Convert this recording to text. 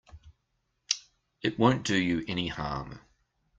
It won't do you any harm.